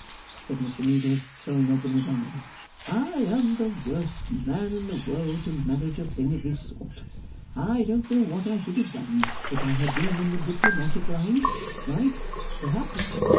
said Mr Meagles, throwing open his arms. 'I am the worst man in the world to manage a thing of this sort. I don't know what I should have done if I had been in the diplomatic line right, perhaps!